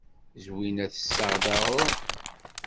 Zwina tessaɣ-d aɣrum.